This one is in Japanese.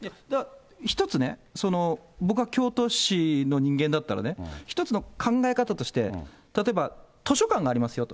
一つね、僕は京都市の人間だったらね、一つの考え方として、例えば図書館がありますよと。